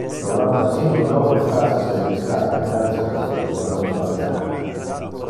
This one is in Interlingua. Novanta-cinque nove phrases registrate, gratias! Io va los validar.